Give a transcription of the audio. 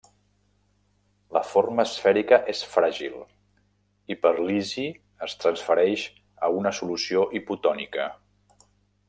La forma esfèrica és fràgil i per lisi es transfereix a una solució hipotònica.